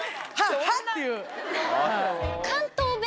っていう。